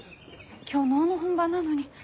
今日能の本番なのに。